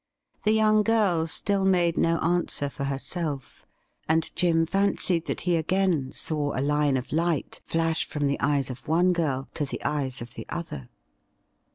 The young girl still made no answer for herself, and Jim fancied that he again saw a line of light flash from the eyes of one girl to the eyes of the other.